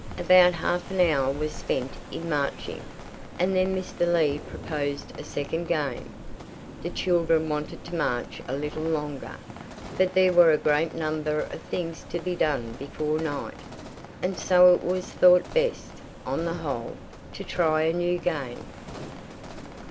About half an hour was spent in marching, and then Mr. Lee proposed a second game. The children wanted to march a little longer; but there were a great number of things to be done before night, and so it was thought best, on the whole, to try a new game.